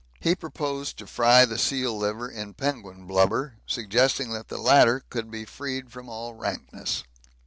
He proposed to fry the seal liver in penguin blubber, suggesting that the latter could be freed from all rankness.